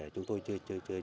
chúng tôi chưa